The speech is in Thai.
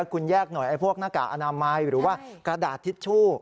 คุณแยกหน่อยไอ้พวกหน้ากากอนามัยหรือว่ากระดาษทิชชู่